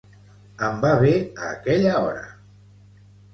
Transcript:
Em va bé a aquella hora.